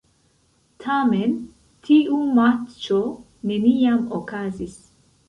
Tamen tiu matĉo neniam okazis.